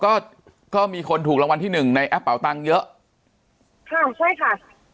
ก็ก็มีคนถูกรางวัลที่หนึ่งในแอปเป่าตังค์เยอะค่ะใช่ค่ะ